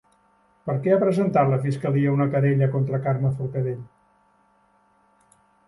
Per què ha presentat la fiscalia una querella contra Carme Forcadell?